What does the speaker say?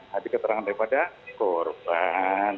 hati keterangan daripada korban